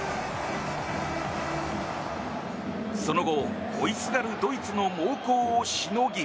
その後、追いすがるドイツの猛攻をしのぎ。